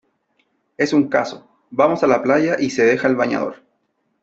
Es un caso, vamos a la playa y se deja el bañador.